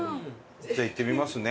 じゃあ行ってみますね。